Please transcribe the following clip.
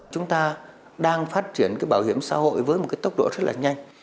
chúng ta đang phát triển cái bảo hiểm xã hội với một cái tốc độ rất là nhanh